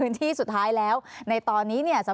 สวัสดีค่ะคุณผู้ชมค่ะสิ่งที่คาดว่าอาจจะเกิดขึ้นแล้วนะคะ